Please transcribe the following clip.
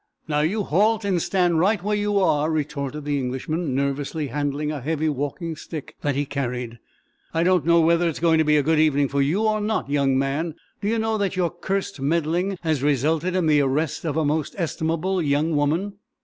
"Now, you halt and stand right where you are," retorted the Englishman, nervously handling a heavy walking stick that he carried. "I don't know whether it's going to be a good evening for you, or not, young man. Do you know that your cursed meddling has resulted in the arrest of a most estimable young woman?"